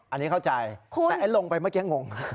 อันนี้เข้าใจแต่ไอ้ลงไปเมื่อกี้งง